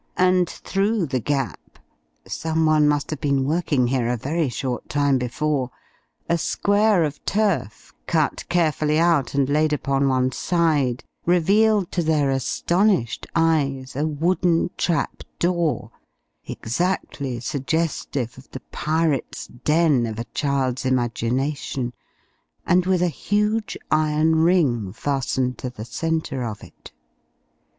And through the gap someone must have been working here a very short time before a square of turf, cut carefully out and laid upon one side, revealed to their astonished eyes a wooden trap door, exactly suggestive of the pirates' den of a child's imagination, and with a huge iron ring fastened to the centre of it.